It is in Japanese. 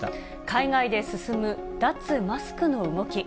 海外で進む脱マスクの動き。